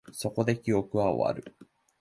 そこで、記憶は終わる